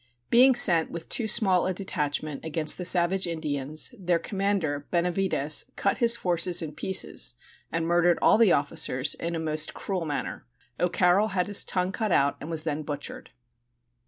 Being sent with too small a detachment against the savage Indians, their commander, Benavides, cut his forces in pieces and murdered all the officers in a most cruel manner. O'Carroll had his tongue cut out and was then butchered.